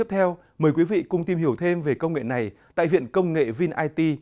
tiếp theo mời quý vị cùng tìm hiểu thêm về công nghệ này tại viện công nghệ vinit